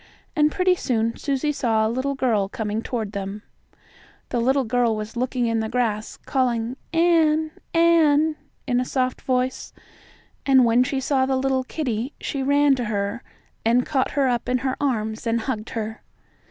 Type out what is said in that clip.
And pretty soon Susie saw a little girl coming toward them. The little girl was looking in the grass, and calling, "Ann Ann," in a soft voice. And when she saw the little kittie she ran to her and caught her up in her arms and hugged her.